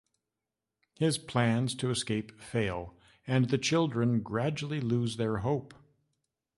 His plans to escape fail, and the children gradually lose their hope.